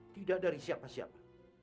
tidak dari siapa siapa